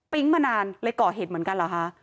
มานานเลยก่อเหตุเหมือนกันเหรอคะ